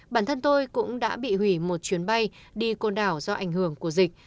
bản thân tôi cũng đã bị hủy một chuyến bay đi côn đảo do ảnh hưởng của dịch